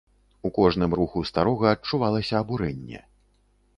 У кожным руху старога адчувалася абурэнне.